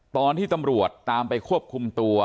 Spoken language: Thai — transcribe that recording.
ตอนที่ตำรวจตามไปควบคุมตัว